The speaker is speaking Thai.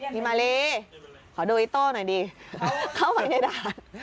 พี่มาลีขอดูอิโต้หน่อยดีเข้าไปในด่าน